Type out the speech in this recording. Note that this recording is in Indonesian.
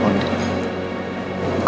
kau bukan maafin aku